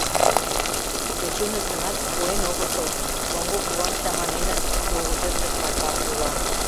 — Тӧченыт гынат, пуэн огытыл, шоҥго кувам чаманеныт, — лугыч ыштыш Марпа кува.